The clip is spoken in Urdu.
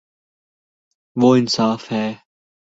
وہ انصا ف ہے